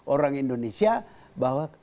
orang indonesia bahwa